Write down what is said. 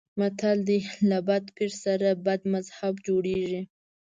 متل دی: له بد پیر سره بد مذهب جوړېږي.